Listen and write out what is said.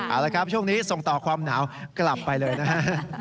เอาละครับช่วงนี้ส่งต่อความหนาวกลับไปเลยนะฮะ